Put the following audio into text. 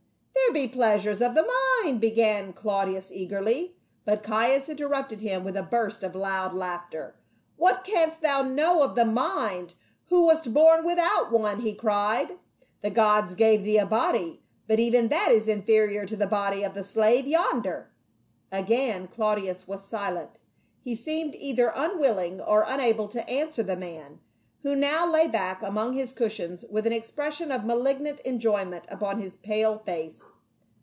"There be pleasures of the mind —" began Clau dius, eagerly, but Caius interrupted him with a burst of loud laughter. "What canst thou know of the mind, who wast born without one," he cried. "The gods gave thee a body, but even that is inferior to the body of the slave yonder." Again Claudius was silent. He seemed either un willing or unable to answer the man, who now lay back among his cushions with an expression of malig nant enjoyment upon his pale face.